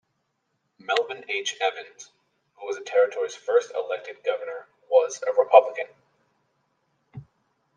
Melvin H. Evans, who was the territory's first elected governor, was a Republican.